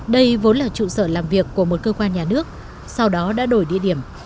đây vốn là trụ sở làm việc của một cơ quan nhà nước sau đó đã đổi địa điểm